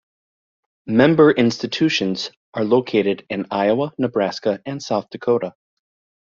Member institutions are located in Iowa, Nebraska and South Dakota.